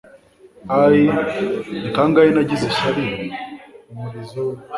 Ai ni kangahe nagize ishyari umurizo we